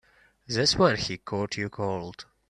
That's when he caught your cold.